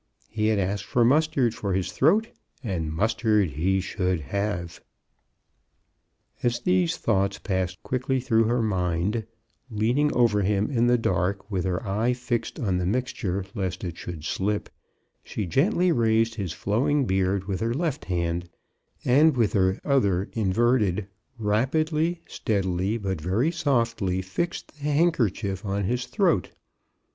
He had asked for mustard for his throat, and mustard he should have. As these thoughts passed quickly through her mind, leaning over him in the dark, with her eye fixed on the mixture lest it should slip, she gently raised his flowing beard with her left hand, and with her other inverted rapidly, steadily but very softly fixed the handkerchief on his throat.